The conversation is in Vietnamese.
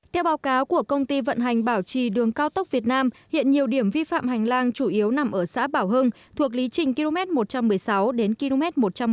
theo báo cáo của công ty vận hành bảo trì đường cao tốc việt nam hiện nhiều điểm vi phạm hành lang chủ yếu nằm ở xã bảo hưng thuộc lý trình km một trăm một mươi sáu đến km một trăm một mươi